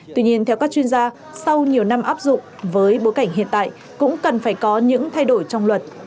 tuy nhiên theo các chuyên gia sau nhiều năm áp dụng với bối cảnh hiện tại cũng cần phải có những thay đổi trong luật